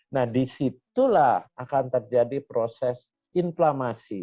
nah disitulah akan terjadi proses inflamasi